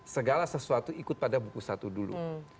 segala sesuatu ikut pada buku satu dulu